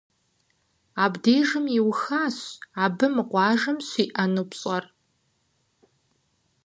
Абдежым иухащ абы мы къуажэм щиӏэну пщӏэр.